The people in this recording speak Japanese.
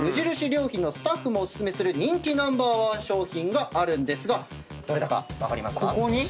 良品のスタッフもお薦めする人気ナンバーワン商品があるんですがどれだか分かりますか？